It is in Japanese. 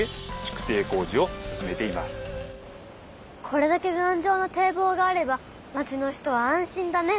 これだけがんじょうな堤防があれば町の人は安心だね！